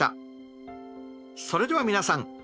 それでは皆さん。